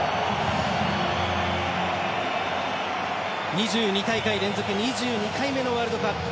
２２ 大会連続２２回目のワールドカップ。